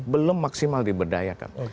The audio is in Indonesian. belum maksimal diberdayakan